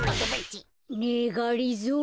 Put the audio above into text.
ねえがりぞー